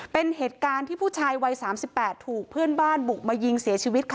เป็นเหตุการณ์ที่ผู้ชายวัย๓๘ถูกเพื่อนบ้านบุกมายิงเสียชีวิตค่ะ